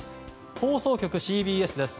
放送局ＣＢＳです。